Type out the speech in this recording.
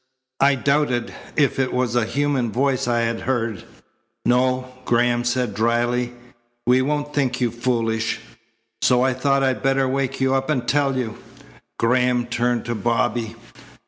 I doubted if it was a human voice I had heard." "No," Graham said dryly, "we won't think you foolish." "So I thought I'd better wake you up and tell you." Graham turned to Bobby.